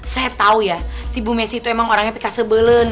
saya tau ya si bu messi itu emang orangnya pika sebelen